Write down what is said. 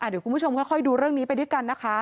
เดี๋ยวคุณผู้ชมค่อยดูเรื่องนี้ไปด้วยกันนะคะ